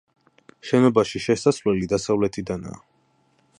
შენობაში შესასვლელი დასავლეთიდანაა.